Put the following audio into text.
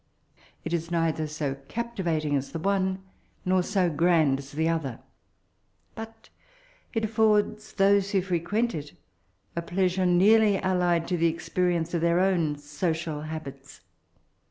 It is neither so oaptivat* ing as the one, nor so grand as the other ; but it affords those who fre quent it a pleasure nearly allied with the experience of their own social habits."